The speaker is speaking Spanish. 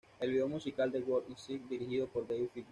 El vídeo musical de "Who Is It" fue dirigido por David Fincher.